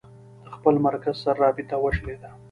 د خپل مرکز سره رابطه وشلېده.